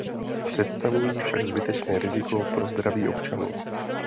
Představují však zbytečné riziko pro zdraví občanů.